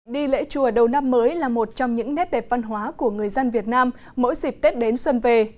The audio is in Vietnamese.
đi lễ chùa đầu năm mới là một trong những nét đẹp văn hóa của người dân việt nam mỗi dịp tết đến xuân về